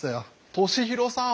利宏さん。